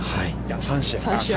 ３試合。